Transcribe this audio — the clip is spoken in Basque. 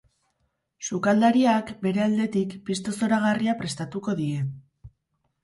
Sukaldariak, bere aldetik, pisto zoragarria prestatuko die.